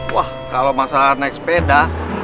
wah kalau masalah naik sepeda